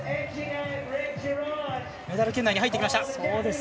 メダル圏内に入ってきました。